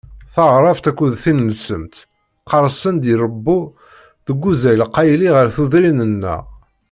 Taɛrabt akked tineslemt qqeṛsen-d i Ṛebbu deg uzal qayli ɣer tudrin-nneɣ.